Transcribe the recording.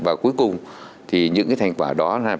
và cuối cùng thì những thành quả đó